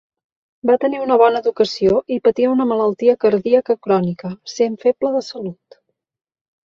Va tenir una bona educació i patia una malaltia cardíaca crònica, essent feble de salut.